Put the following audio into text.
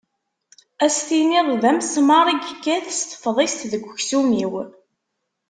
Ad as-tinid d amesmar i yekkat s tefḍist deg uksum-iw.